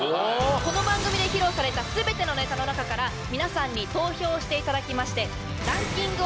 この番組で披露された全てのネタの中から皆さんに投票していただきまして。